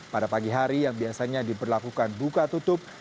pada pagi hari yang biasanya diberlakukan buka tutup